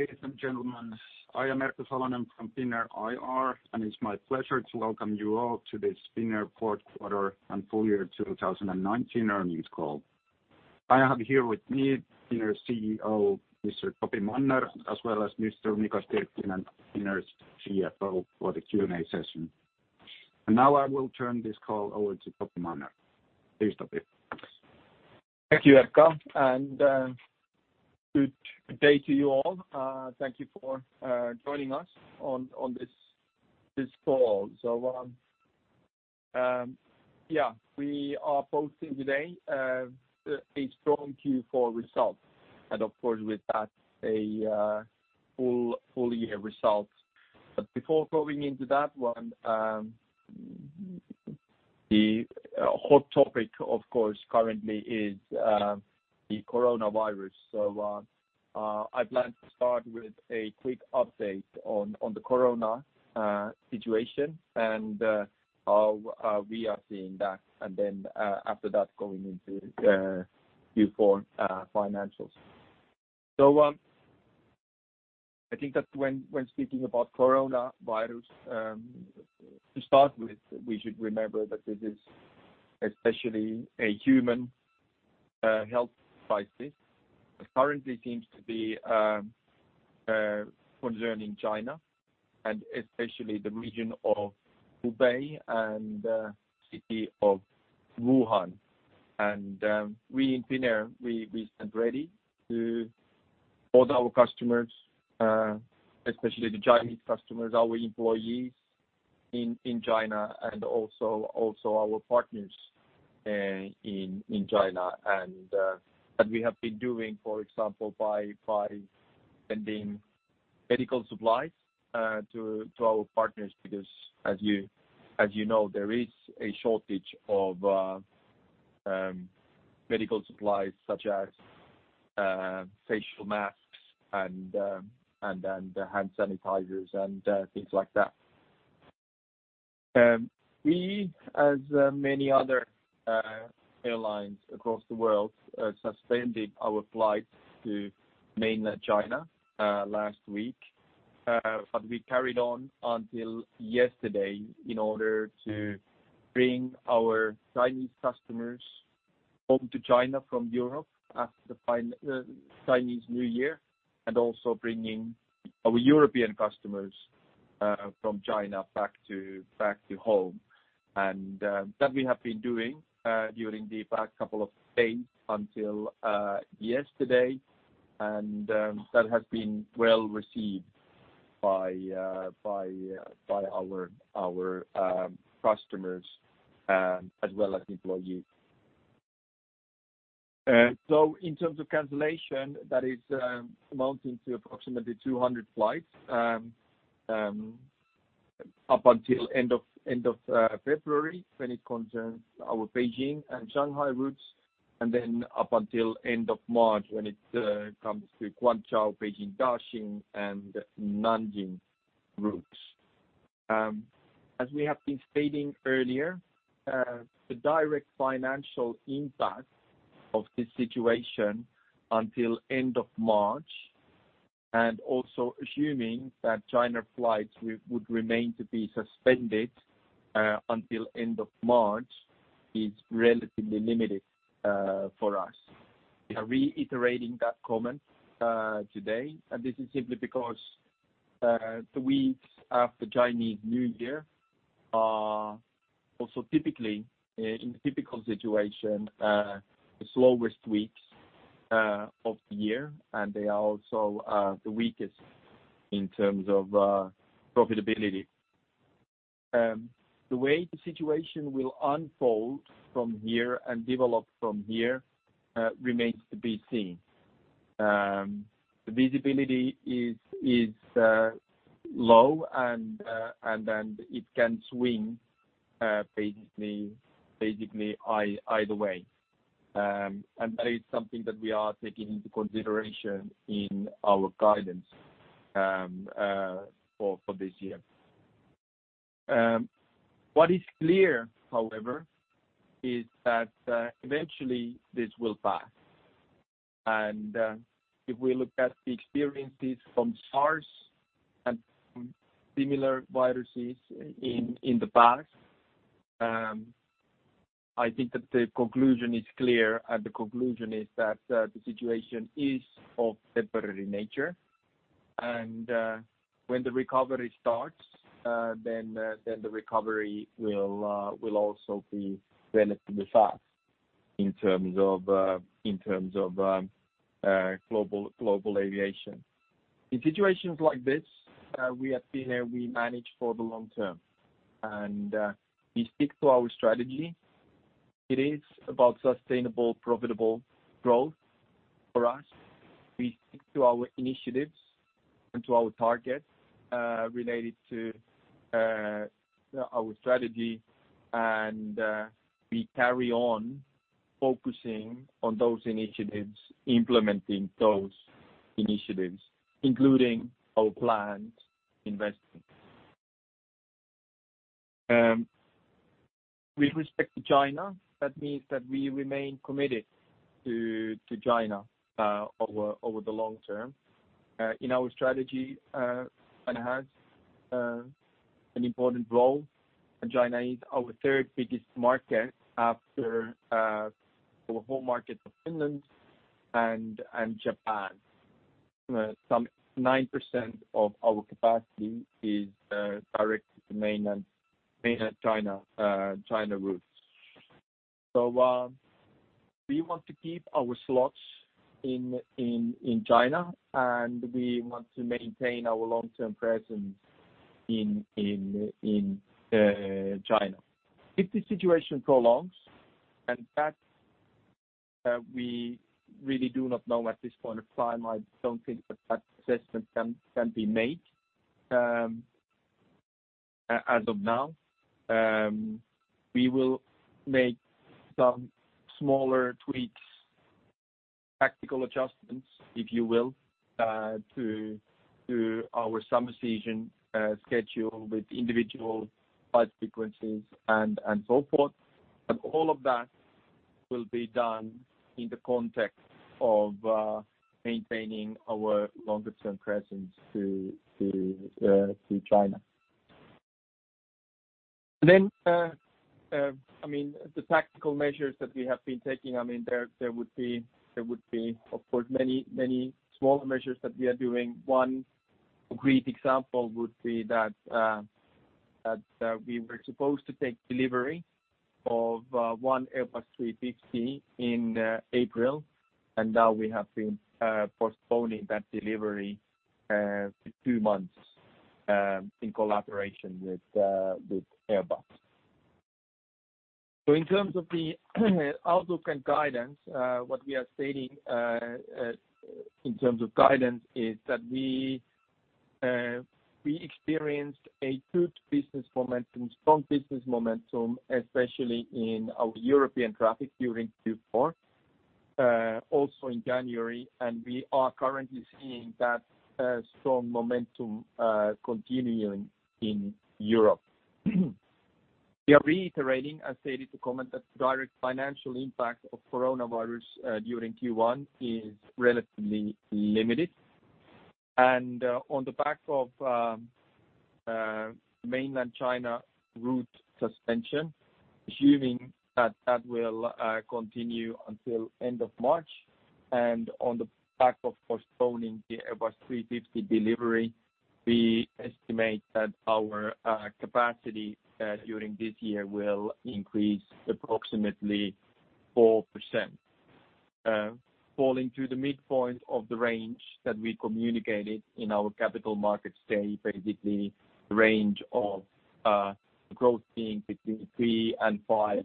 Hey, ladies and gentlemen. I am Erkka Salonen from Finnair IR, and it's my pleasure to welcome you all to this Finnair fourth quarter and full year 2019 earnings call. I have here with me Finnair CEO, Mr. Topi Manner, as well as Mr. Mika Stirkkinen, Finnair's CFO, for the Q&A session. Now I will turn this call over to Topi Manner. Please, Topi. Thank you, Erkka, good day to you all. Thank you for joining us on this call. We are posting today a strong Q4 result and of course, with that a full year result. Before going into that one, the hot topic of course currently is the coronavirus, I plan to start with a quick update on the corona situation and how we are seeing that, then after that, going into Q4 financials. I think that when speaking about coronavirus, to start with, we should remember that this is especially a human health crisis. It currently seems to be concerning China and especially the region of Hubei and the city of Wuhan. We in Finnair, we stand ready to all our customers, especially the Chinese customers, our employees in China, also our partners in China. We have been doing, for example, by sending medical supplies to our partners because as you know, there is a shortage of medical supplies such as facial masks and hand sanitizers and things like that. We, as many other airlines across the world, suspended our flights to mainland China last week, we carried on until yesterday in order to bring our Chinese customers home to China from Europe after Chinese New Year, also bringing our European customers from China back to home. That we have been doing during the past couple of days until yesterday, that has been well-received by our customers as well as employees. In terms of cancellation, that is amounting to approximately 200 flights up until end of February when it concerns our Beijing and Shanghai routes, then up until end of March when it comes to Guangzhou, Beijing Daxing, and Nanjing routes. As we have been stating earlier, the direct financial impact of this situation until end of March, also assuming that China flights would remain to be suspended until end of March, is relatively limited for us. We are reiterating that comment today, this is simply because the weeks after Chinese New Year are also in a typical situation the slowest weeks of the year, they are also the weakest in terms of profitability. The way the situation will unfold from here and develop from here remains to be seen. The visibility is low and it can swing basically either way, and that is something that we are taking into consideration in our guidance for this year. What is clear, however, is that eventually this will pass. If we look at the experiences from SARS and similar viruses in the past, I think that the conclusion is clear, and the conclusion is that the situation is of temporary nature, and when the recovery starts, then the recovery will also be relatively fast in terms of global aviation. In situations like this, we at Finnair, we manage for the long term, and we stick to our strategy. It is about sustainable, profitable growth for us. We stick to our initiatives and to our targets related to our strategy, and we carry on focusing on those initiatives, implementing those initiatives, including our planned investments. With respect to China, that means that we remain committed to China over the long term. In our strategy, it has an important role, and China is our third-biggest market after our home market of Finland and Japan. Some 9% of our capacity is directed to mainland China routes. We want to keep our slots in China, and we want to maintain our long-term presence in China. If the situation prolongs, and that we really do not know at this point of time, I don't think that that assessment can be made as of now. We will make some smaller tweaks, tactical adjustments, if you will, to our summer season schedule with individual flight frequencies and so forth. All of that will be done in the context of maintaining our longer-term presence to China. The tactical measures that we have been taking, there would be, of course, many smaller measures that we are doing. One great example would be that we were supposed to take delivery of one Airbus A350 in April, and now we have been postponing that delivery for two months in collaboration with Airbus. In terms of the outlook and guidance, what we are stating in terms of guidance is that we experienced a good business momentum, strong business momentum, especially in our European traffic during Q4, also in January, and we are currently seeing that strong momentum continuing in Europe. We are reiterating, as stated in the comment that the direct financial impact of coronavirus during Q1 is relatively limited. On the back of mainland China route suspension, assuming that that will continue until end of March, and on the back of postponing the Airbus A350 delivery, we estimate that our capacity during this year will increase approximately 4%, falling to the midpoint of the range that we communicated in our capital markets day. Basically, the range of growth being between 3% and 5%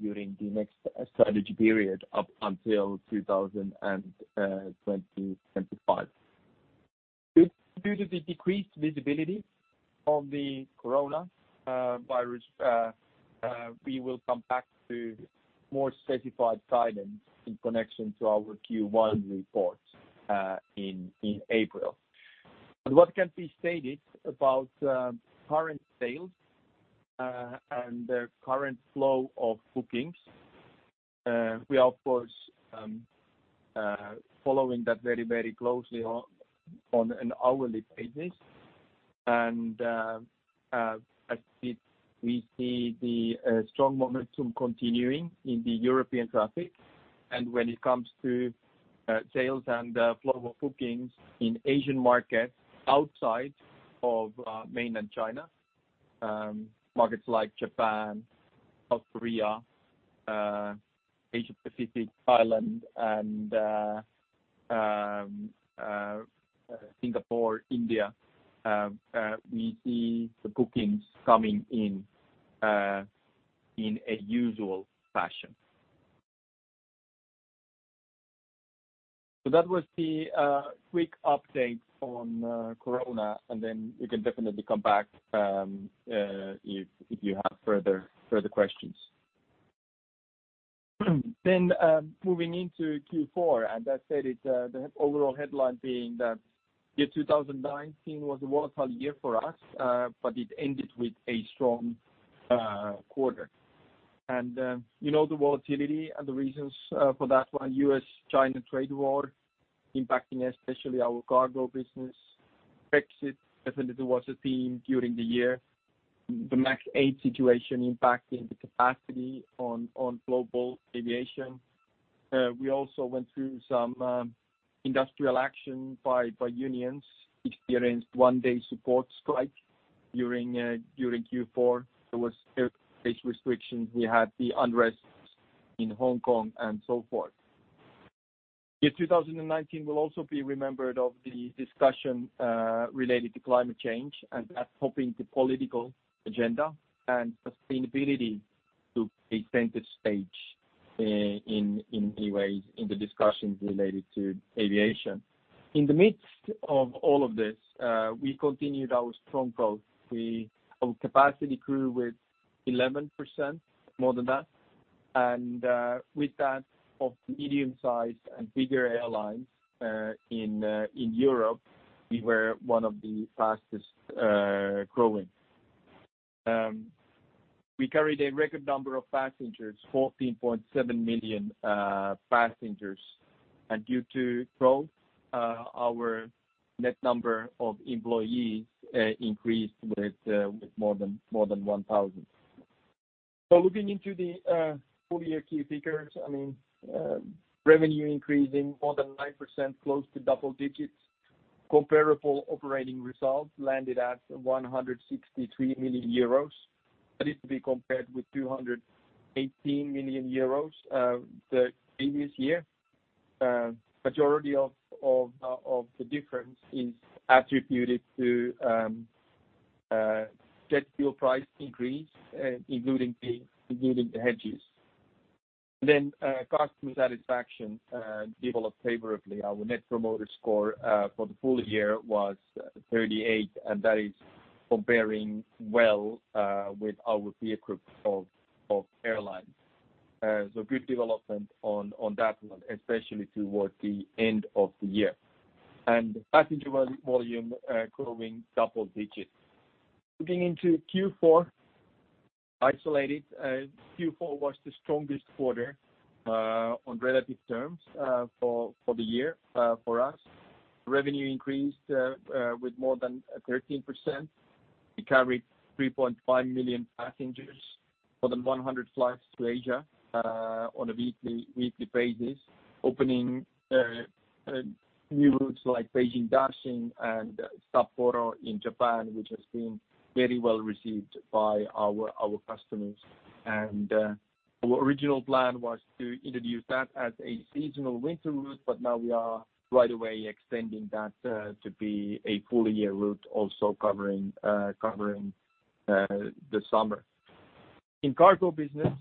during the next strategy period up until 2025. Due to the decreased visibility of the coronavirus, we will come back to more specified guidance in connection to our Q1 report in April. What can be stated about current sales and the current flow of bookings, we are of course following that very closely on an hourly basis. As I said, we see the strong momentum continuing in the European traffic. When it comes to sales and flow of bookings in Asian markets outside of mainland China, markets like Japan, South Korea, Asia Pacific, Thailand, and Singapore, India, we see the bookings coming in in a usual fashion. So that was the quick update on corona, and we can definitely come back if you have further questions. Moving into Q4, as I said it, the overall headline being that 2019 was a volatile year for us, but it ended with a strong quarter. You know the volatility and the reasons for that one, U.S.-China trade war impacting especially our cargo business. Brexit definitely was a theme during the year. The MAX 8 situation impacting the capacity on global aviation. We also went through some industrial action by unions, experienced one-day support strike during Q4. There was airspace restrictions. We had the unrest in Hong Kong and so forth. 2019 will also be remembered of the discussion related to climate change and that topping the political agenda and sustainability to take center stage in many ways in the discussions related to aviation. In the midst of all of this, we continued our strong growth. Our capacity grew with 11%, more than that. With that, of the medium size and bigger airlines in Europe, we were one of the fastest-growing. We carried a record number of passengers, 14.7 million passengers. Due to growth, our net number of employees increased with more than 1,000. Looking into the full-year key figures, revenue increasing more than 9%, close to double digits. Comparable operating results landed at 163 million euros. That is to be compared with 218 million euros the previous year. Majority of the difference is attributed to jet fuel price increase, including the hedges. Customer satisfaction developed favorably. Our Net Promoter Score for the full year was 38, and that is comparing well with our peer group of airlines. So good development on that one, especially towards the end of the year. Passenger volume growing double digits. Looking into Q4 isolated, Q4 was the strongest quarter on relative terms for the year for us. Revenue increased with more than 13%. We carried 3.5 million passengers, more than 100 flights to Asia on a weekly basis, opening new routes like Beijing Daxing and Sapporo in Japan, which has been very well-received by our customers. Our original plan was to introduce that as a seasonal winter route, but now we are right away extending that to be a full-year route also covering the summer. In cargo business,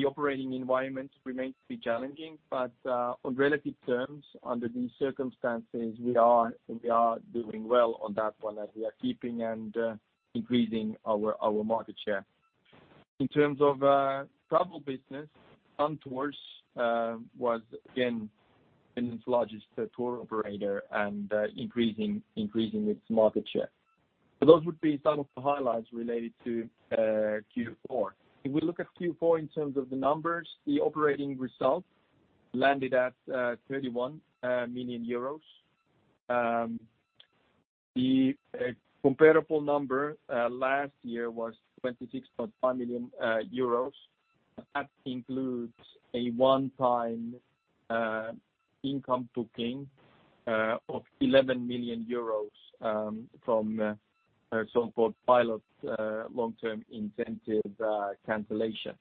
the operating environment remains to be challenging, but on relative terms, under these circumstances, we are doing well on that one as we are keeping and increasing our market share. In terms of travel business, Aurinkomatkat was again Finland's largest tour operator and increasing its market share. So those would be some of the highlights related to Q4. If we look at Q4 in terms of the numbers, the operating results landed at 31 million euros. The comparable number last year was 26.5 million euros. That includes a one-time income booking of 11 million euros from a so-called pilot long-term incentive cancellation.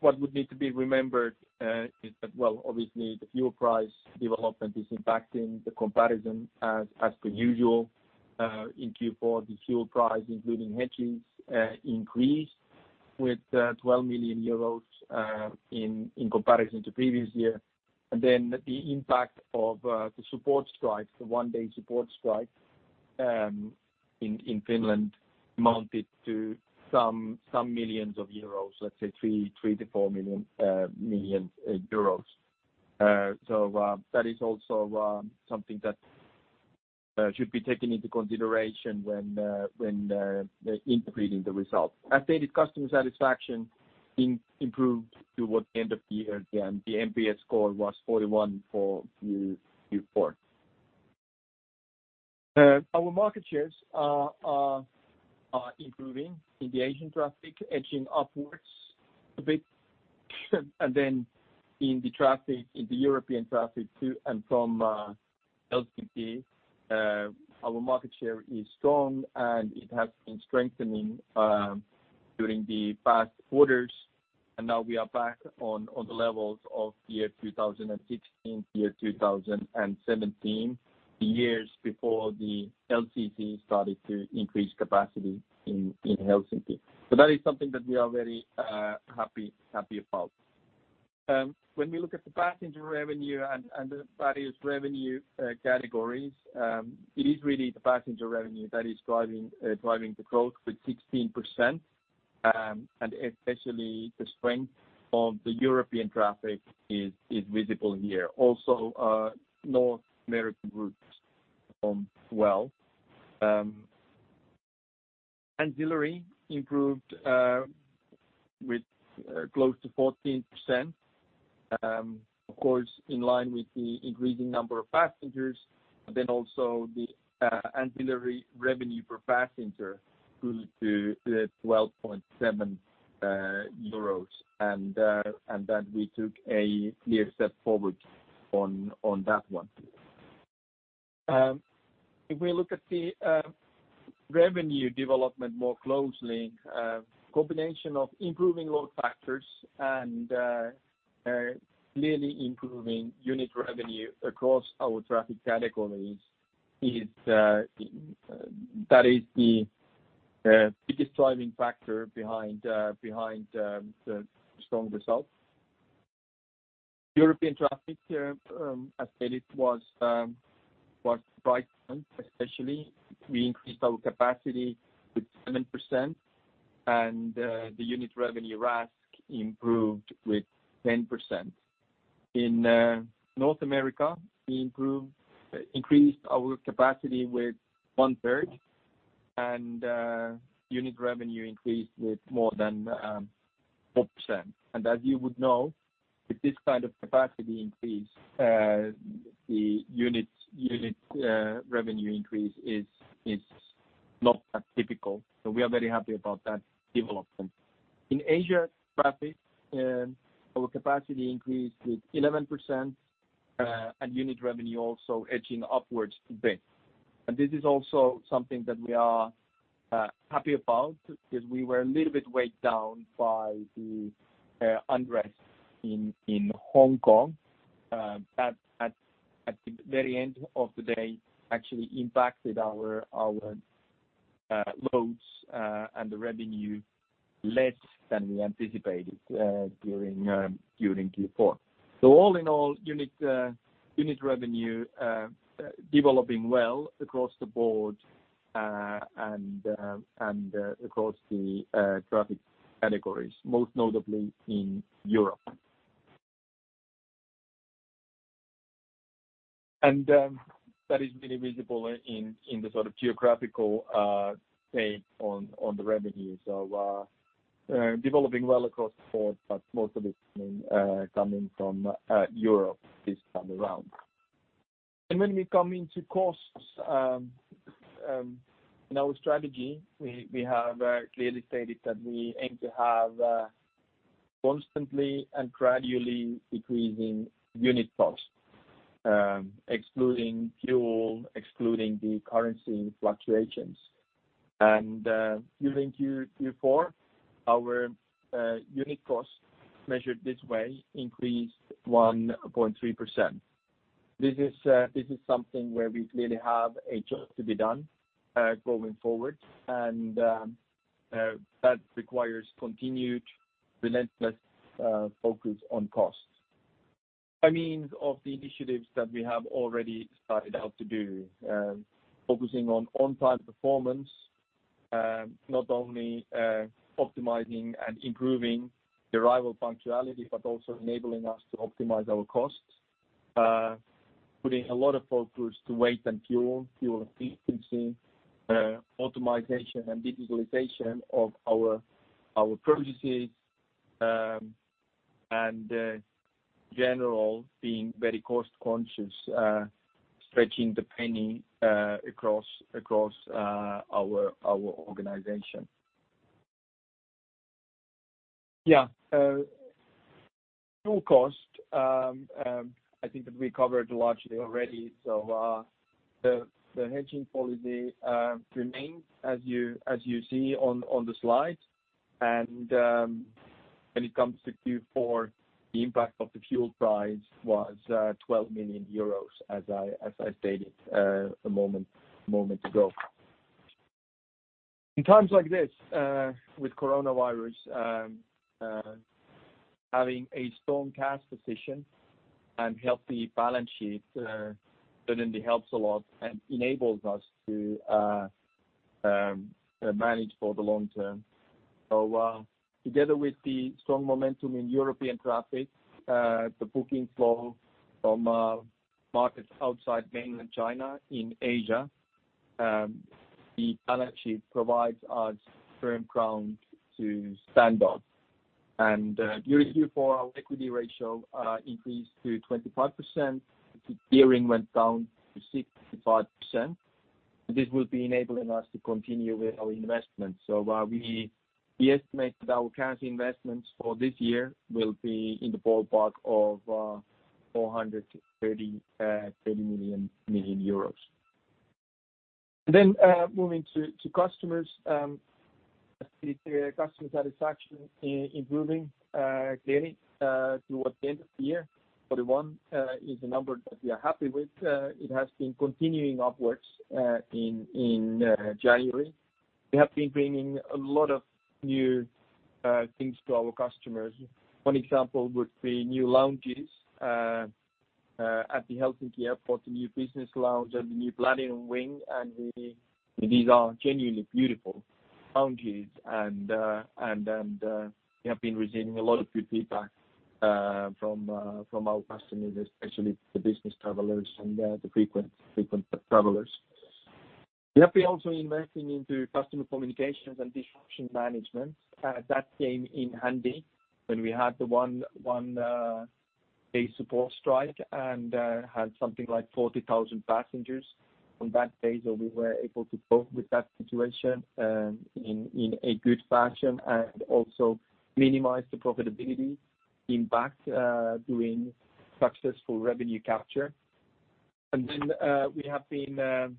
What would need to be remembered is that, well, obviously, the fuel price development is impacting the comparison as per usual. In Q4, the fuel price, including hedges, increased with 12 million euros in comparison to previous year. The impact of the support strikes, the one-day support strikes in Finland amounted to some millions of EUR, let's say 3 million-4 million. That is also something that should be taken into consideration when interpreting the results. Updated customer satisfaction improved towards the end of the year. Again, the NPS score was 41 for Q4. Our market shares are improving in the Asian traffic, edging upwards a bit. In the European traffic to and from Helsinki, our market share is strong, and it has been strengthening during the past quarters. Now we are back on the levels of 2016, 2017, the years before the LCC started to increase capacity in Helsinki. That is something that we are very happy about. When we look at the passenger revenue and the various revenue categories, it is really the passenger revenue that is driving the growth with 16%, and especially the strength of the European traffic is visible here. Also, North American routes performed well. Ancillary improved with close to 14%, of course, in line with the increasing number of passengers. Also the ancillary revenue per passenger grew to 12.7 euros, and that we took a clear step forward on that one. If we look at the revenue development more closely, a combination of improving load factors and clearly improving unit revenue across our traffic categories, that is the biggest driving factor behind the strong results. European traffic, as stated, was quite bright especially. We increased our capacity with 7% and the unit revenue RASK improved with 10%. In North America, we increased our capacity with one-third, and unit revenue increased with more than 4%. As you would know, with this kind of capacity increase, the unit revenue increase is not that typical. We are very happy about that development. In Asia traffic, our capacity increased with 11%, and unit revenue also edging upwards a bit. This is also something that we are happy about because we were a little bit weighed down by the unrest in Hong Kong. That at the very end of the day, actually impacted our loads and the revenue less than we anticipated during Q4. All in all, unit revenue developing well across the board and across the traffic categories, most notably in Europe. That has been visible in the sort of geographical take on the revenue. Developing well across the board, but most of it coming from Europe this time around. When we come into costs, in our strategy, we have clearly stated that we aim to have constantly and gradually decreasing unit cost, excluding fuel, excluding the currency fluctuations. During Q4, our unit cost measured this way increased 1.3%. This is something where we clearly have a job to be done going forward, and that requires continued relentless focus on costs. By means of the initiatives that we have already started out to do, focusing on on-time performance, not only optimizing and improving the arrival punctuality but also enabling us to optimize our costs, putting a lot of focus to weight and fuel efficiency, automatization, and digitalization of our purchases, and general being very cost-conscious, stretching the penny across our organization. Fuel cost, I think that we covered largely already. The hedging policy remains as you see on the slide. When it comes to Q4, the impact of the fuel price was 12 million euros, as I stated a moment ago. In times like this with coronavirus, having a strong cash position and healthy balance sheet certainly helps a lot and enables us to manage for the long term. Together with the strong momentum in European traffic, the booking flow from markets outside mainland China in Asia, the balance sheet provides us firm ground to stand on. During Q4, our equity ratio increased to 25%. Gearing went down to 65%. This will be enabling us to continue with our investments. We estimate that our current investments for this year will be in the ballpark of 430 million euros. Moving to customers. The customer satisfaction improving clearly towards the end of the year. 41 is a number that we are happy with. It has been continuing upwards in January. We have been bringing a lot of new things to our customers. One example would be new lounges at the Helsinki airport, a new business lounge and the new platinum wing, and these are genuinely beautiful lounges. We have been receiving a lot of good feedback from our customers, especially the business travelers and the frequent travelers. We have been also investing into customer communications and disruption management. That came in handy when we had the one-day support strike and had something like 40,000 passengers on that day. We were able to cope with that situation in a good fashion and also minimize the profitability impact during successful revenue capture. We have been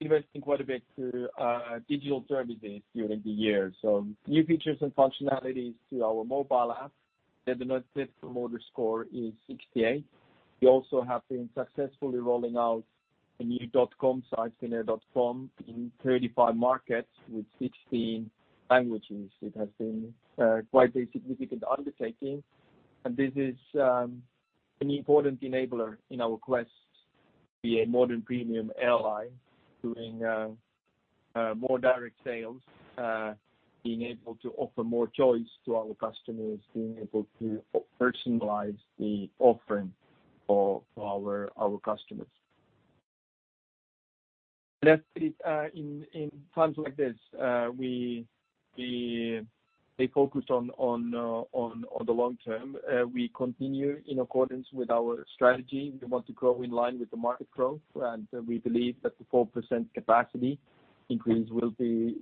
investing quite a bit to digital services during the year. New features and functionalities to our mobile app. The Net Promoter Score is 68. We also have been successfully rolling out a new dotcom site, finnair.com, in 35 markets with 16 languages. It has been quite a significant undertaking, this is an important enabler in our quest to be a modern premium airline doing more direct sales, being able to offer more choice to our customers, being able to personalize the offering for our customers. In times like this, we stay focused on the long term. We continue in accordance with our strategy. We want to grow in line with the market growth, we believe that the 4% capacity increase will be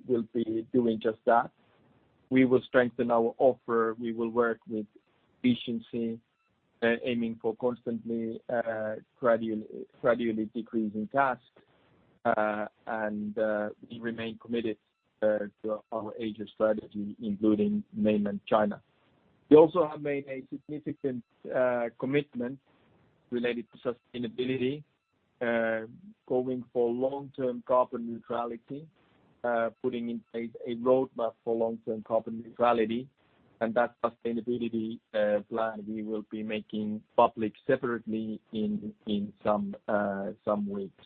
doing just that. We will strengthen our offer. We will work with efficiency, aiming for constantly gradually decreasing costs. We remain committed to our Asia strategy, including Mainland China. We also have made a significant commitment related to sustainability, going for long-term carbon neutrality, putting in place a roadmap for long-term carbon neutrality, that sustainability plan we will be making public separately in some weeks.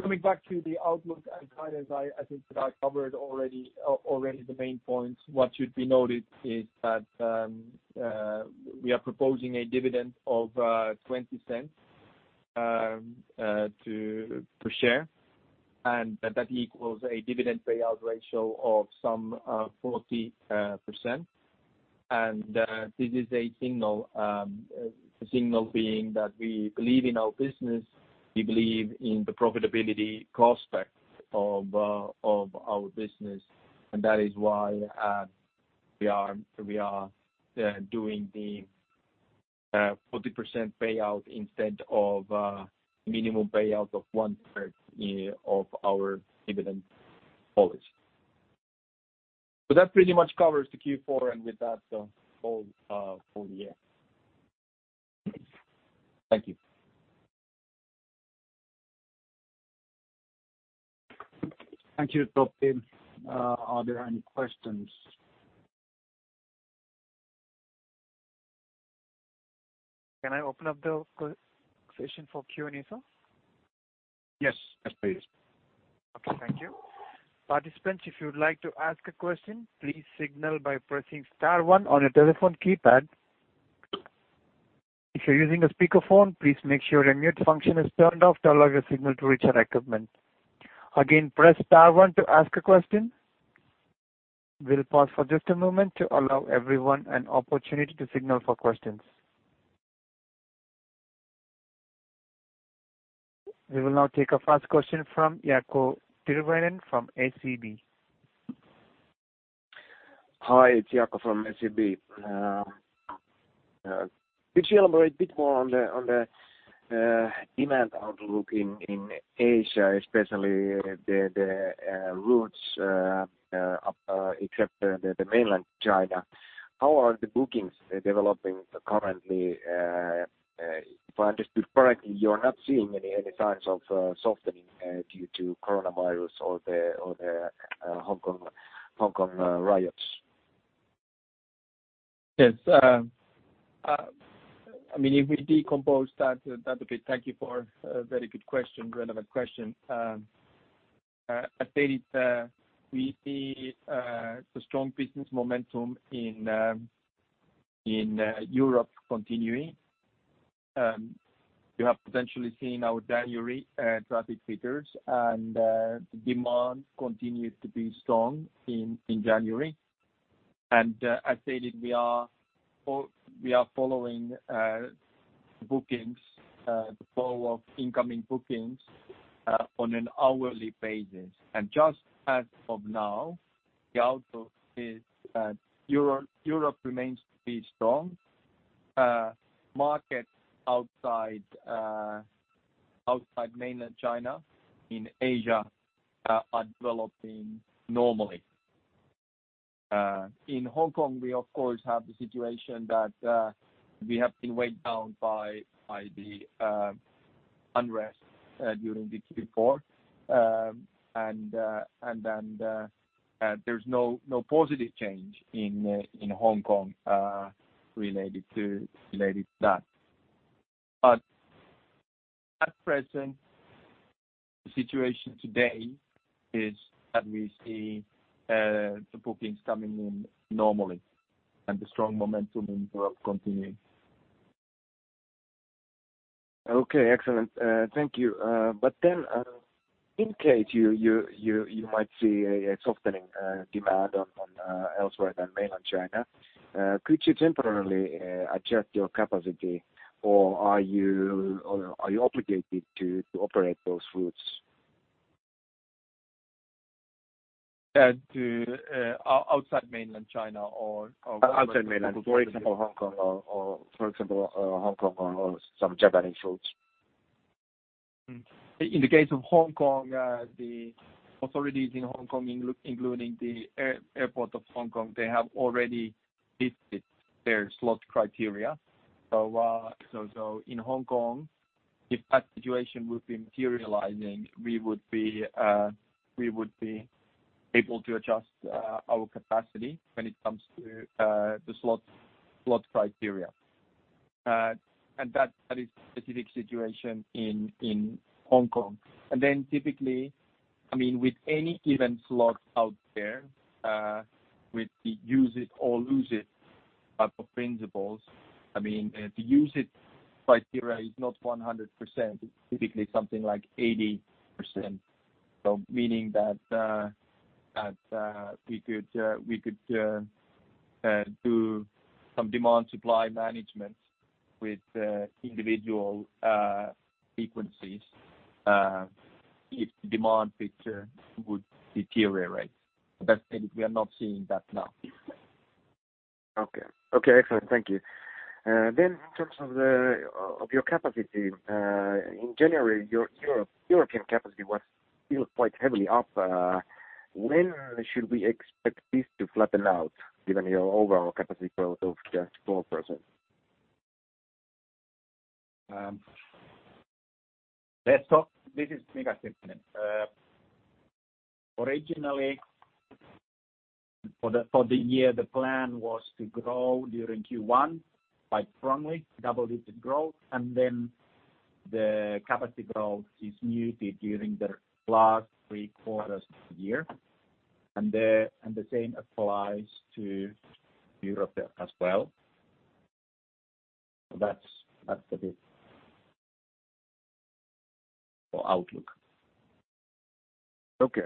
Coming back to the outlook and guidance, I think that I covered already the main points. What should be noted is that we are proposing a dividend of 0.20 per share, that equals a dividend payout ratio of some 40%. This is a signal, the signal being that we believe in our business, we believe in the profitability prospect of our business, that is why we are doing the 40% payout instead of minimum payout of one-third of our dividend policy. That pretty much covers the Q4, with that, the whole full year. Thank you. Thank you, Topi. Are there any questions? Can I open up the session for Q&A, sir? Yes. Yes, please. Okay. Thank you. Participants, if you would like to ask a question, please signal by pressing star one on your telephone keypad. If you're using a speakerphone, please make sure your mute function is turned off to allow your signal to reach our equipment. Again, press star one to ask a question. We'll pause for just a moment to allow everyone an opportunity to signal for questions. We will now take our first question from Jaakko Tyrväinen from SEB. Hi, it's Jaakko from SEB. Could you elaborate a bit more on the demand outlook in Asia, especially the routes except the Mainland China. How are the bookings developing currently? If I understood correctly, you're not seeing any signs of softening due to coronavirus or the Hong Kong riots. Yes. If we decompose that a bit, thank you for a very good question, relevant question. I said it, we see the strong business momentum in Europe continuing. You have potentially seen our January traffic figures, the demand continues to be strong in January. I said it, we are following bookings, the flow of incoming bookings, on an hourly basis. Just as of now, the outlook is Europe remains to be strong. Markets outside Mainland China in Asia are developing normally. In Hong Kong, we of course, have the situation that we have been weighed down by the unrest during the Q4. There's no positive change in Hong Kong related to that. At present, the situation today is that we see the bookings coming in normally and the strong momentum in Europe continuing. Okay. Excellent. Thank you. In case you might see a softening demand on elsewhere than Mainland China, could you temporarily adjust your capacity, or are you obligated to operate those routes? Outside Mainland China or- Outside Mainland. For example, Hong Kong or some Japanese routes In the case of Hong Kong, the authorities in Hong Kong, including the Airport of Hong Kong, they have already listed their slot criteria. In Hong Kong, if that situation would be materializing, we would be able to adjust our capacity when it comes to the slot criteria. That is specific situation in Hong Kong. Then typically, with any given slot out there with the use it or lose it type of principles. The use it criteria is not 100%, it's typically something like 80%. Meaning that we could do some demand supply management with individual frequencies if the demand picture would deteriorate. We are not seeing that now. Okay. Excellent. Thank you. In terms of your capacity, in January, your European capacity was still quite heavily up. When should we expect this to flatten out given your overall capacity growth of 12%? This is Mika Penttinen. Originally, for the year, the plan was to grow during Q1 quite strongly, double-digit growth, then the capacity growth is muted during the last three quarters of the year. The same applies to Europe as well. That's the bit for outlook. Okay.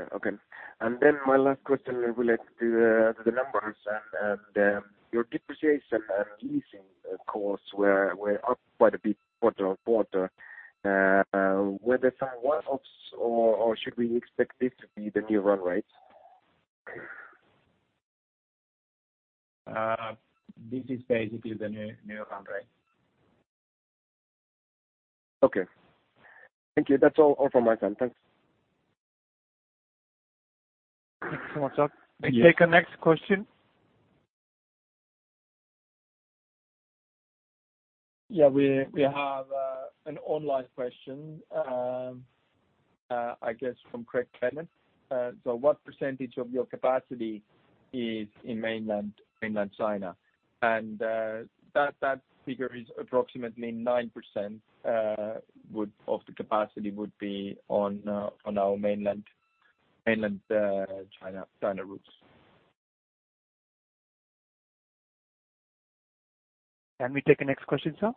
My last question relates to the numbers and your depreciation and leasing costs were up quite a bit quarter-on-quarter. Were there some one-offs or should we expect this to be the new run rates? This is basically the new run rate. Okay. Thank you. That's all from my side. Thanks. Thanks so much. Can we take our next question? Yeah. We have an online question, I guess from Craig Clement. What percentage of your capacity is in mainland China? That figure is approximately 9% of the capacity would be on our mainland China routes. Can we take the next question, sir?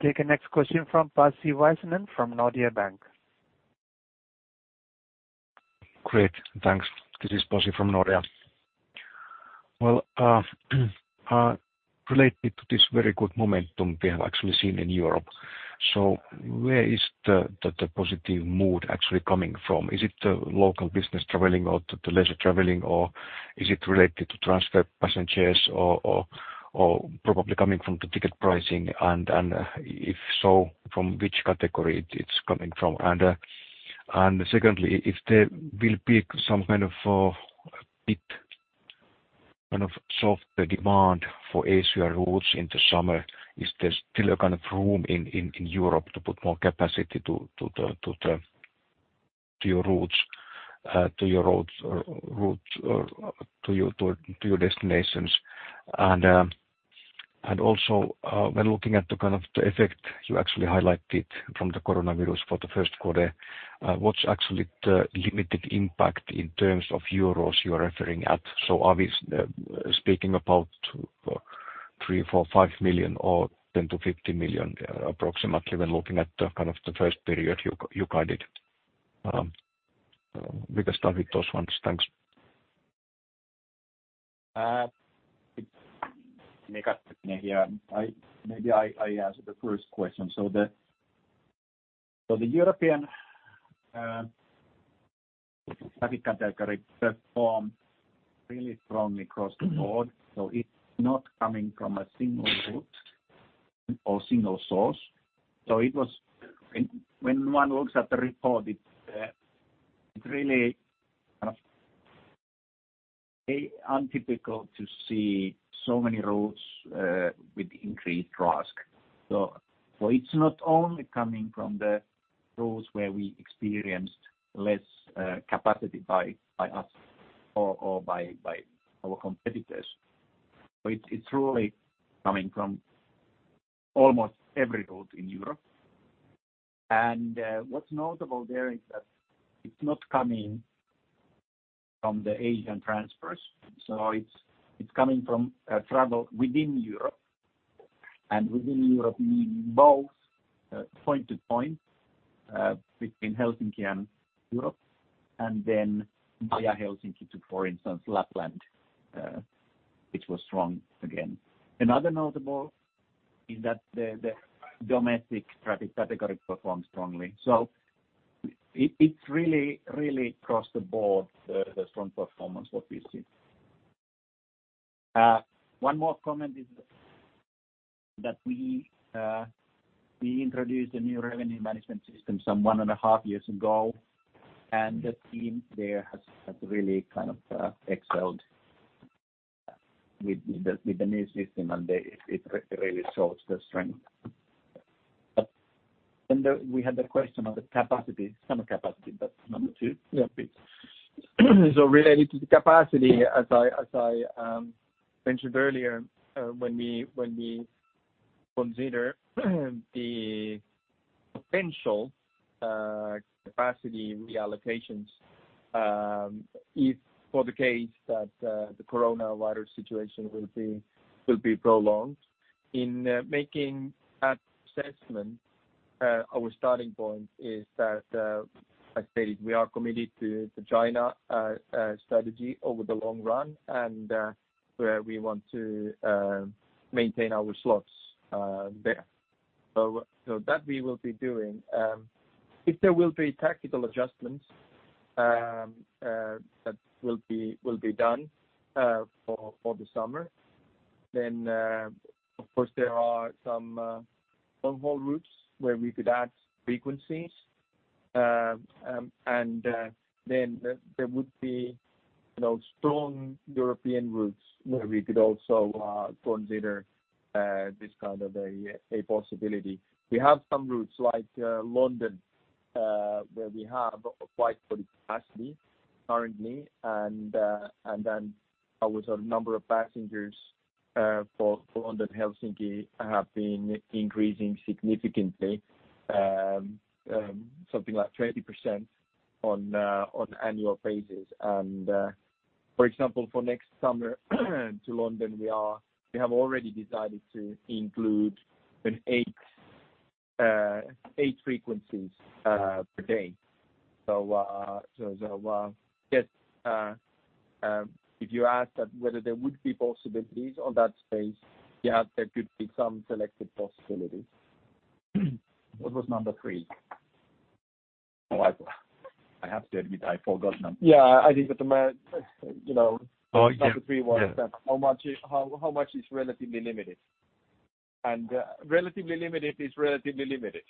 We take the next question from Pasi Väisänen from Nordea Markets. Great. Thanks. This is Pasi from Nordea. Related to this very good momentum we have actually seen in Europe. Where is the positive mood actually coming from? Is it the local business traveling or the leisure traveling, or is it related to transfer passengers or probably coming from the ticket pricing? If so, from which category it's coming from? Secondly, if there will be some kind of bit softer demand for Asia routes in the summer, is there still a kind of room in Europe to put more capacity to your routes or to your destinations? Also, when looking at the kind of the effect you actually highlighted from the coronavirus for the first quarter, what's actually the limited impact in terms of EUR you are referring at? Are we speaking about 3 million, 4 million, 5 million or 10 million-50 million approximately when looking at the kind of the first period you guided? We can start with those ones. Thanks. Mika here. Maybe I answer the first question. The European traffic category performed really strongly across the board. It's not coming from a single route or single source. When one looks at the report, it's really kind of untypical to see so many routes with increased RASK. It's not only coming from the routes where we experienced less capacity by us or by our competitors. It's really coming from almost every route in Europe. What's notable there is that it's not coming from the Asian transfers. It's coming from travel within Europe, and within Europe meaning both point to point between Helsinki and Europe, and then via Helsinki to, for instance, Lapland, which was strong again. Another notable is that the domestic traffic category performed strongly. It's really across the board, the strong performance what we see. One more comment is that we introduced a new revenue management system some one and a half years ago, and the team there has really excelled with the new system, and it really shows the strength. We had the question on the summer capacity, that's number 2? Yeah, please. Related to the capacity, as I mentioned earlier, when we consider the potential capacity reallocations for the case that the coronavirus situation will be prolonged. In making that assessment, our starting point is that, I said we are committed to China strategy over the long run. We want to maintain our slots there. That we will be doing. If there will be tactical adjustments that will be done for the summer, of course, there are some long-haul routes where we could add frequencies. There would be strong European routes where we could also consider this kind of a possibility. We have some routes like London, where we have applied for the capacity currently. Our sort of number of passengers for London, Helsinki have been increasing significantly, something like 20% on annual phases. For example, for next summer to London, we have already decided to include eight frequencies per day. I guess if you ask that whether there would be possibilities on that space, yeah, there could be some selected possibilities. What was number 3? Oh, I have to admit, I forgot now. Yeah. I think that. Oh, yeah number 3 was that how much is relatively limited. Relatively limited is relatively limited.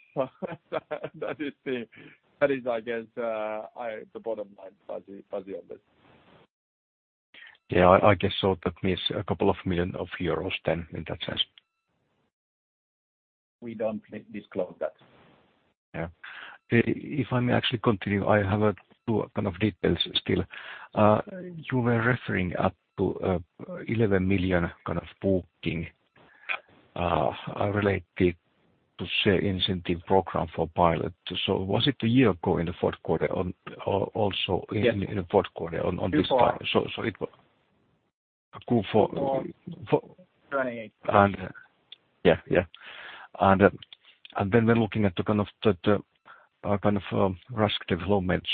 That is, I guess, the bottom line, Pasi, on this. Yeah. I guess, that means a couple of million EUR then in that sense. We don't disclose that. Yeah. If I may actually continue, I have 2 kind of details still. You were referring up to 11 million EUR kind of booking related to share incentive program for pilot. Was it a year ago in the fourth quarter? Yes, in the fourth quarter on this Q4. It was Q4. Q4 2020, yes. Yeah. We're looking at the kind of RASK development.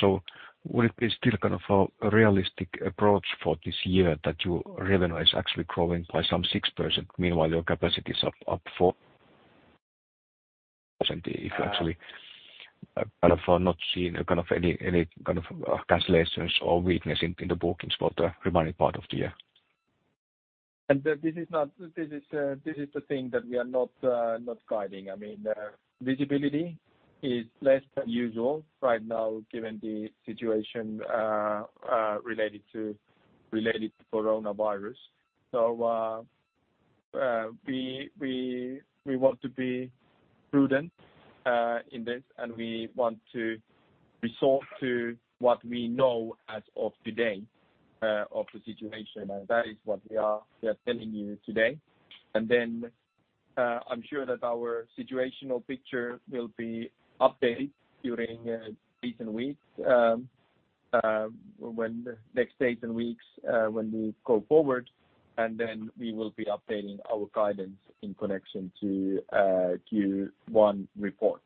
Would it be still kind of a realistic approach for this year that your revenue is actually growing by some 6%, meanwhile, your capacity is up 4% if you actually kind of are not seeing any kind of cancellations or weakness in the bookings for the remaining part of the year? This is the thing that we are not guiding. I mean, visibility is less than usual right now given the situation related to coronavirus. We want to be prudent in this, we want to resort to what we know as of today of the situation, that is what we are telling you today. I'm sure that our situational picture will be updated during recent weeks, next days and weeks when we go forward, then we will be updating our guidance in connection to Q1 report.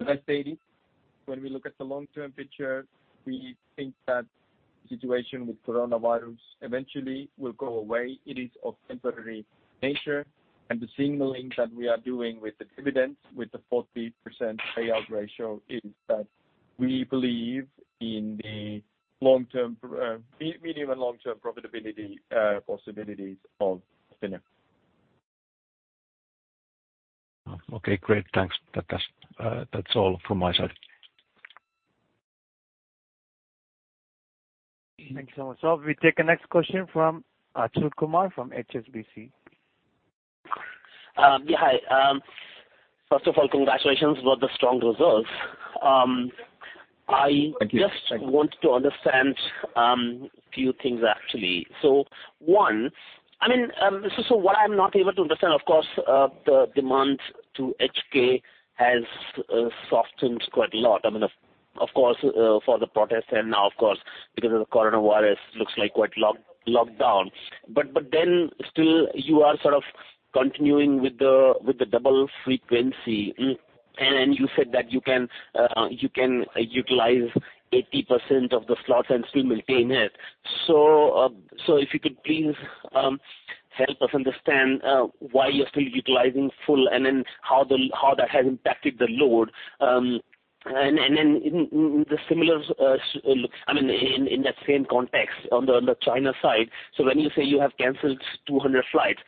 As I said, when we look at the long-term picture, we think that the situation with coronavirus eventually will go away. It is of temporary nature, the signaling that we are doing with the dividends, with the 40% payout ratio is that we believe in the medium and long-term profitability possibilities of Finnair. Okay, great. Thanks. That's all from my side. Thank you so much. We take the next question from Achal Kumar from HSBC. Yeah. Hi. First of all, congratulations about the strong results. Thank you. I just want to understand few things, actually. What I'm not able to understand, of course, the demand to HK has softened quite a lot. Of course, for the protest and now, of course, because of the coronavirus, looks like quite locked down. Still you are sort of continuing with the double frequency, and you said that you can utilize 80% of the slots and still maintain it. If you could please help us understand why you're still utilizing full, and then how that has impacted the load. In that same context on the China side, when you say you have canceled 200 flights,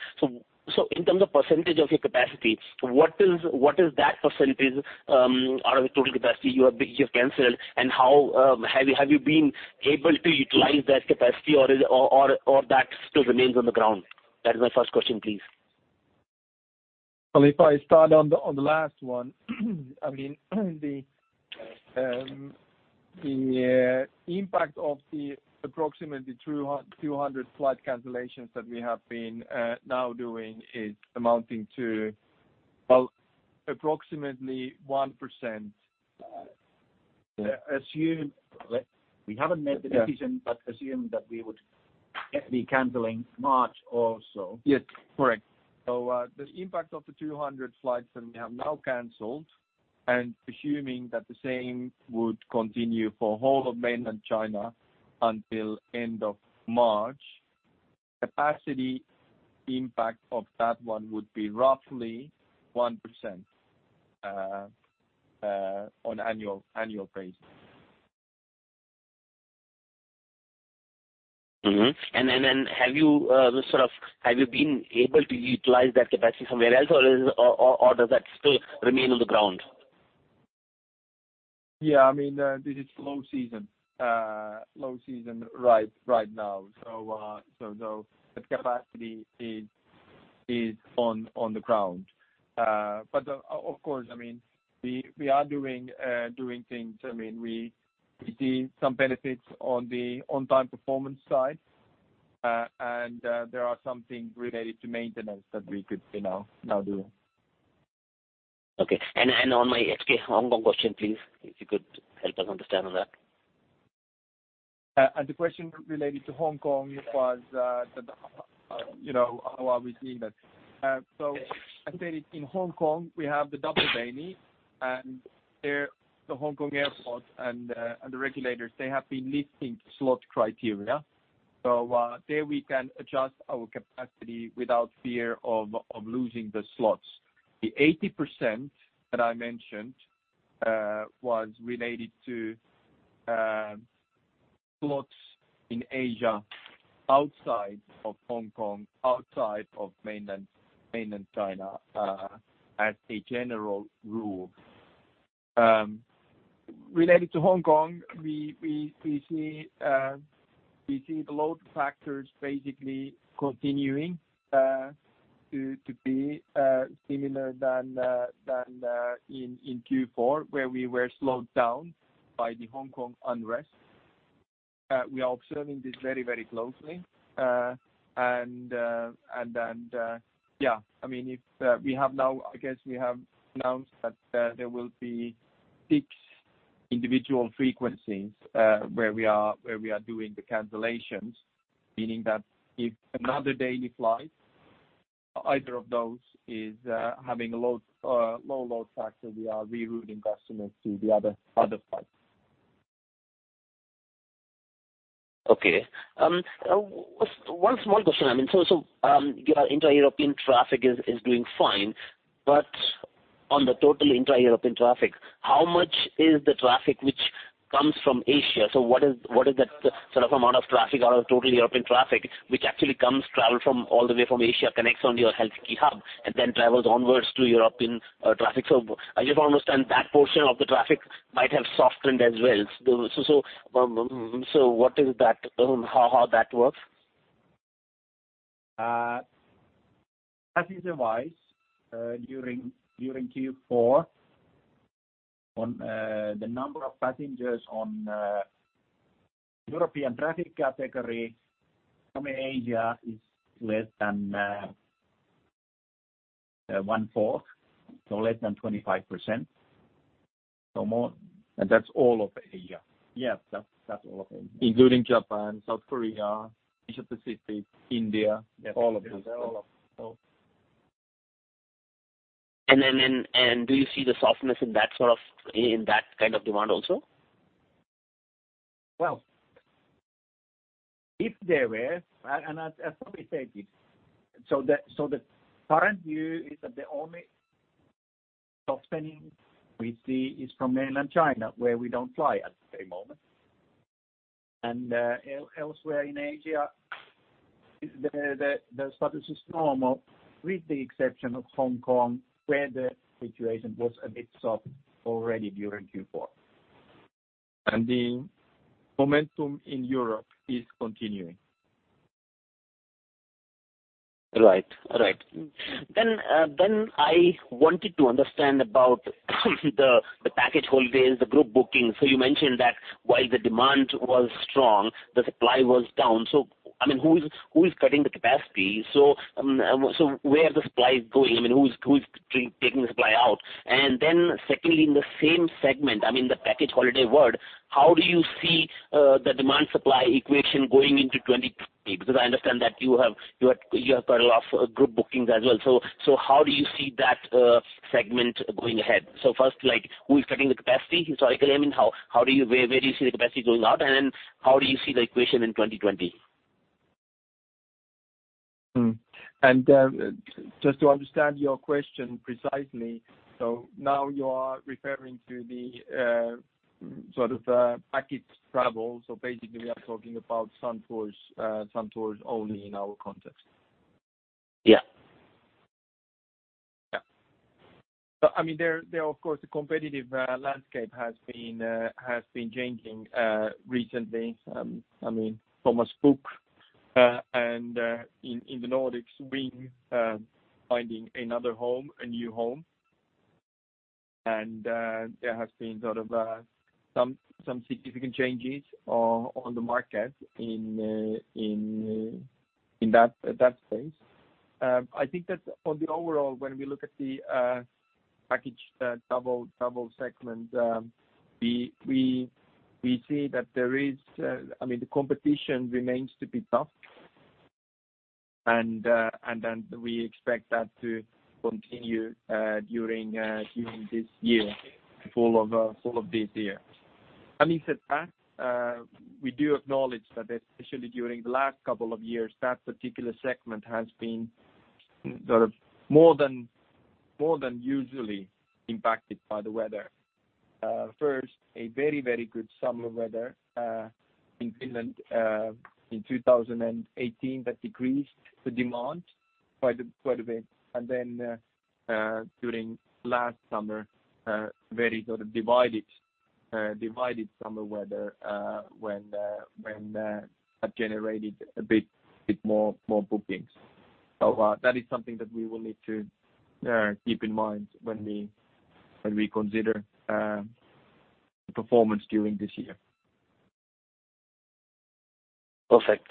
in terms of % of your capacity, what is that % out of the total capacity you have canceled? Have you been able to utilize that capacity or that still remains on the ground? That is my first question, please. If I start on the last one. The impact of the approximately 200 flight cancellations that we have been now doing is amounting to approximately 1%. Yeah. We haven't made the decision, but assume that we would be canceling March also. Yes, correct. The impact of the 200 flights that we have now canceled, and assuming that the same would continue for whole of mainland China until end of March, capacity impact of that one would be roughly 1% on annual basis. Have you been able to utilize that capacity somewhere else, or does that still remain on the ground? This is low season right now. The capacity is on the ground. Of course, we are doing things. We see some benefits on the on-time performance side, and there are some things related to maintenance that we could now do. Okay. On my Helsinki-Hong Kong question, please, if you could help us understand on that. The question related to Hong Kong was how are we seeing that? I said it, in Hong Kong, we have the double daily and the Hong Kong Airport and the regulators, they have been lifting slot criteria. There we can adjust our capacity without fear of losing the slots. The 80% that I mentioned was related to slots in Asia, outside of Hong Kong, outside of mainland China, as a general rule. Related to Hong Kong, we see the load factors basically continuing to be similar than in Q4 where we were slowed down by the Hong Kong unrest. We are observing this very closely. I guess we have announced that there will be six individual frequencies where we are doing the cancellations, meaning that if another daily flight, either of those is having a low load factor, we are rerouting customers to the other flights. Okay. One small question. Your intra-European traffic is doing fine, on the total intra-European traffic, how much is the traffic which comes from Asia? What is that sort of amount of traffic out of total European traffic, which actually comes travel from all the way from Asia, connects on your Helsinki hub, and then travels onwards to European traffic? I just want to understand that portion of the traffic might have softened as well. What is that? How that works? Passenger-wise, during Q4, on the number of passengers on European traffic category from Asia is less than one-fourth, so less than 25%. That's all of Asia. Yes. That's all of Asia. Including Japan, South Korea, Asia Pacific, India. Yes. All of those. All of those. Do you see the softness in that kind of demand also? Well, if there were, and as Tero said it, the current view is that the only soft spending we see is from mainland China, where we don't fly at the moment. Elsewhere in Asia, the status is normal with the exception of Hong Kong where the situation was a bit soft already during Q4. The momentum in Europe is continuing. Right. I wanted to understand about the package holidays, the group bookings. You mentioned that while the demand was strong, the supply was down. Who is cutting the capacity? Where the supply is going? Who is taking the supply out? Secondly, in the same segment, the package holiday world, how do you see the demand-supply equation going into 2020? I understand that you have got a lot of group bookings as well. How do you see that segment going ahead? First, who is cutting the capacity? Historically, where do you see the capacity going out? How do you see the equation in 2020? Just to understand your question precisely. Now you are referring to the package travel. Basically, we are talking about sun tours only in our context. Yeah. Yeah. There of course, the competitive landscape has been changing recently. Thomas Cook and in the Nordics, Ving finding another home, a new home. There has been some significant changes on the market in that space. I think that on the overall, when we look at the package travel segment, we see that the competition remains to be tough. We expect that to continue during this year, full of this year. That said, we do acknowledge that especially during the last couple of years, that particular segment has been more than usually impacted by the weather. First, a very, very good summer weather in Finland in 2018 that decreased the demand quite a bit. During last summer, very divided summer weather when that generated a bit more bookings. That is something that we will need to keep in mind when we consider performance during this year. Perfect.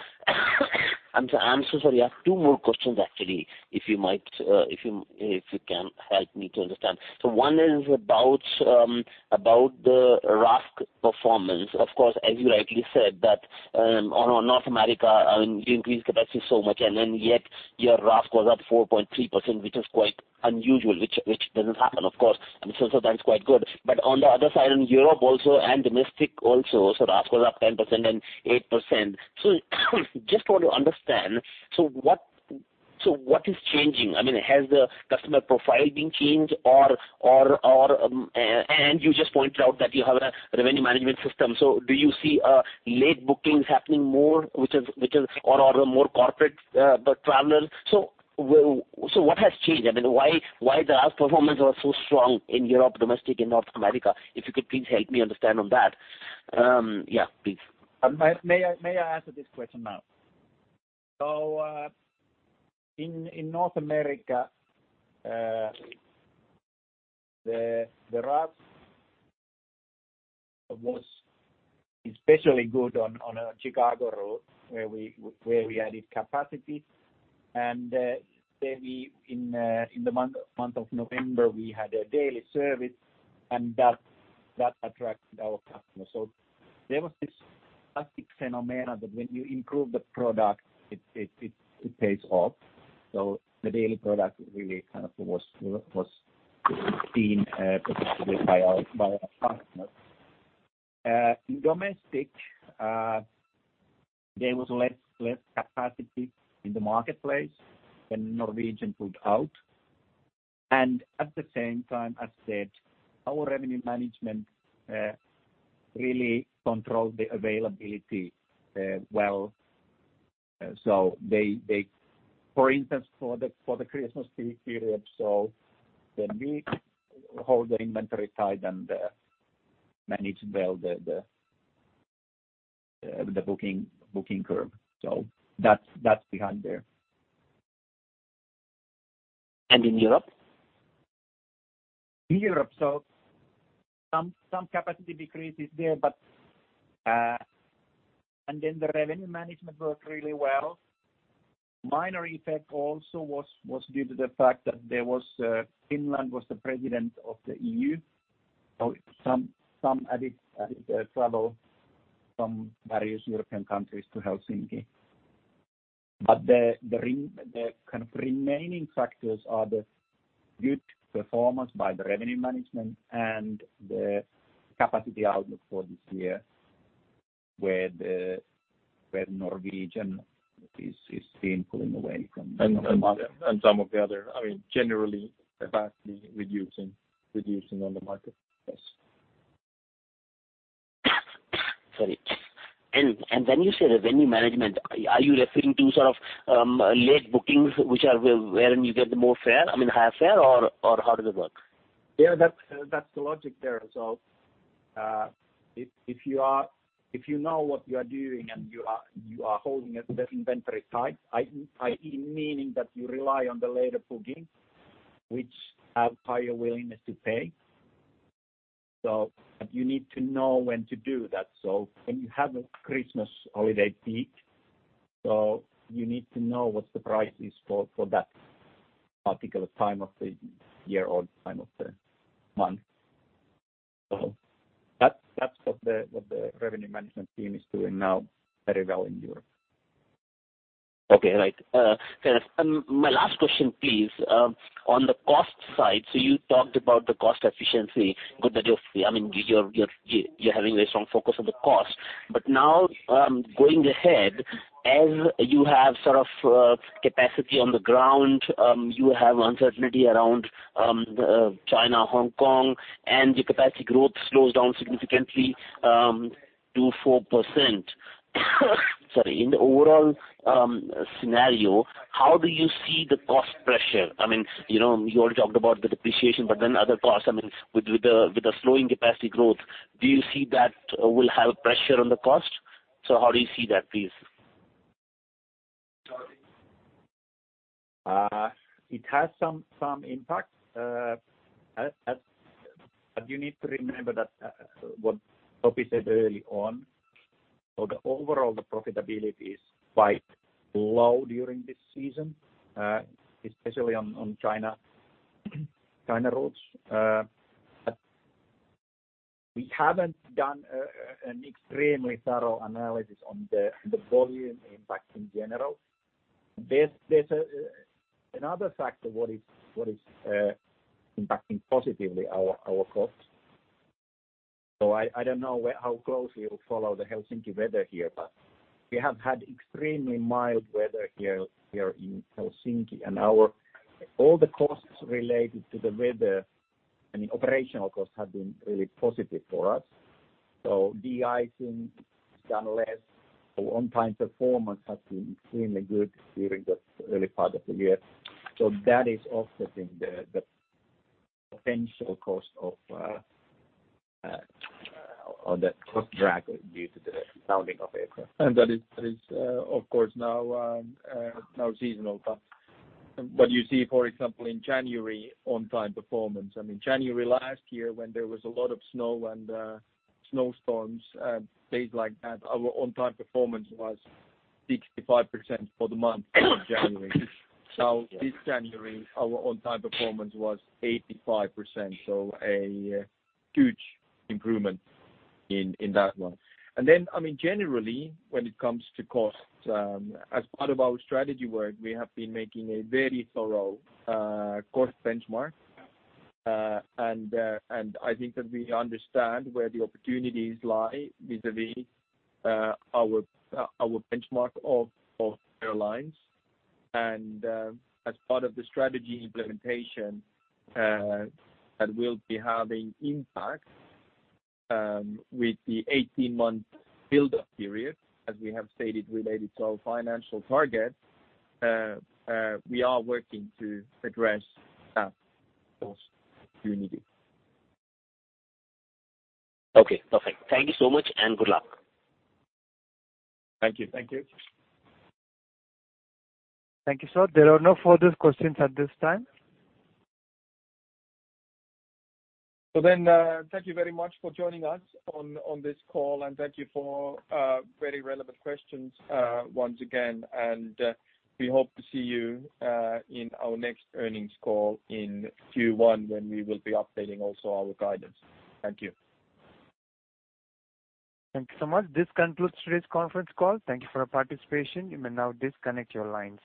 I'm so sorry. I have two more questions actually, if you can help me to understand. One is about the RASK performance. Of course, as you rightly said that on North America, you increased capacity so much, and then yet your RASK was up 4.3%, which is quite unusual, which doesn't happen, of course, and that's quite good. On the other side, in Europe also and domestic also, RASK was up 10% and 8%. Just want to understand, so what is changing? Has the customer profile been changed, and you just pointed out that you have a revenue management system. Do you see late bookings happening more or more corporate travelers? What has changed? Why the RASK performance was so strong in Europe, domestic and North America? If you could please help me understand on that. Yeah, please. May I answer this question now? In North America, the RASK was especially good on our Chicago route where we added capacity. There in the month of November, we had a daily service and that attracted our customers. There was this classic phenomena that when you improve the product, it pays off. The daily product really was seen positively by our partners. In domestic, there was less capacity in the marketplace when Norwegian pulled out. At the same time, as said, our revenue management really controlled the availability well. For instance, for the Christmas peak period, so when we hold the inventory tight and manage well the booking curve. That's behind there. In Europe? In Europe, some capacity decrease is there, the revenue management worked really well. Minor effect also was due to the fact that Finland was the president of the EU, some added travel from various European countries to Helsinki. The remaining factors are the good performance by the revenue management and the capacity outlook for this year where Norwegian is seen pulling away from- Some of the other, generally capacity reducing on the market. Yes. Sorry. When you say revenue management, are you referring to late bookings, wherein you get the more fare, higher fare, or how does it work? Yeah, that's the logic there. If you know what you are doing and you are holding that inventory tight, i.e meaning that you rely on the later booking, which have higher willingness to pay. You need to know when to do that. When you have a Christmas holiday peak, you need to know what the price is for that particular time of the year or time of the month. That's what the revenue management team is doing now very well in Europe Okay. Right. Fair enough. My last question please, on the cost side, you talked about the cost efficiency, good that you're having a strong focus on the cost. Now, going ahead, as you have capacity on the ground, you have uncertainty around China, Hong Kong, and your capacity growth slows down significantly to 4%. Sorry. In the overall scenario, how do you see the cost pressure? You already talked about the depreciation, but then other costs, with the slowing capacity growth, do you see that will have pressure on the cost? How do you see that, please? It has some impact. You need to remember that what Topi said early on, so the overall profitability is quite low during this season, especially on China routes. We haven't done an extremely thorough analysis on the volume impact in general. There's another factor what is impacting positively our costs. I don't know how closely you follow the Helsinki weather here, but we have had extremely mild weather here in Helsinki, and all the costs related to the weather and the operational costs have been really positive for us. De-icing is done less. Our on-time performance has been extremely good during the early part of the year. That is offsetting that cost drag due to the grounding of aircraft. That is, of course, now seasonal. What you see, for example, in January on-time performance. January last year when there was a lot of snow and snowstorms and days like that, our on-time performance was 65% for the month of January. This January, our on-time performance was 85%, so a huge improvement in that one. Generally, when it comes to costs, as part of our strategy work, we have been making a very thorough cost benchmark. I think that we understand where the opportunities lie vis-a-vis our benchmark of airlines. As part of the strategy implementation, that will be having impact with the 18-month buildup period, as we have stated, related to our financial targets. We are working to address that cost immediately. Okay, perfect. Thank you so much, and good luck. Thank you. Thank you. Thank you, sir. There are no further questions at this time. Thank you very much for joining us on this call, and thank you for very relevant questions once again. We hope to see you in our next earnings call in Q1, when we will be updating also our guidance. Thank you. Thank you so much. This concludes today's conference call. Thank you for your participation. You may now disconnect your lines.